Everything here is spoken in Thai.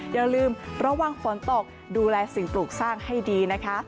อย่าลืมระวังฝนตกดูแลสิ่งปลูกสร้างให้ดีนะคะ